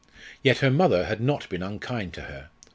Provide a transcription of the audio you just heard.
Yet her mother had not been unkind to her.